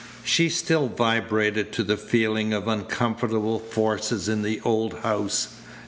She still vibrated to the feeling of unconformable forces in the old house.